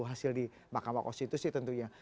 hasil di bakal makos itu sih tentunya